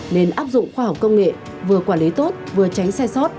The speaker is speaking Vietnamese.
nên áp dụng khoa học công nghệ vừa quản lý tốt vừa tránh sai sót